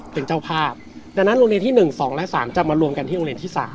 เป็นเจ้าภาพดังนั้นโรงเรียนที่๑๒และ๓จะมารวมกันที่โรงเรียนที่๓